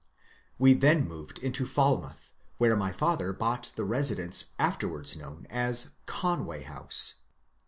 We then moved into Falmouth, where my father bought the residence afterwards known as Conway House.